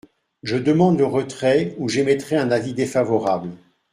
Je demande le retrait ou j’émettrai un avis défavorable.